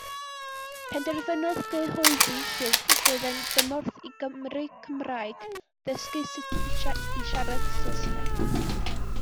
Penderfynodd gyhoeddi llyfr fyddai'n gymorth i Gymry Cymraeg ddysgu sut i siarad Saesneg.